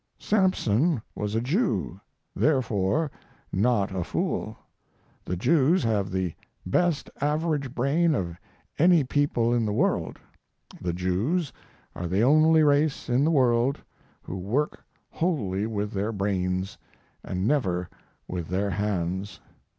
"Samson was a Jew, therefore not a fool. The Jews have the best average brain of any people in the world. The Jews are the only race in the world who work wholly with their brains, and never with their hands.